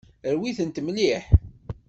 Rwi-tent mliḥ.